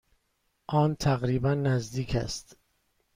آن تقریبا نزدیک است.